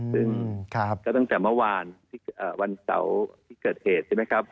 ซึ่งก็ตั้งแต่เมื่อวานวันเสาร์ที่เกิดเหตุใช่ไหมครับ